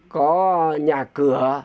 có nhà cửa